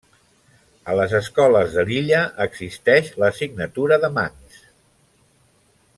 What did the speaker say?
A les escoles de l'illa existeix l'assignatura de Manx.